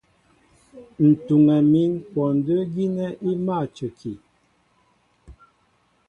Ǹ tuŋɛ mín kwɔndə́ gínɛ́ í mâ a cəki.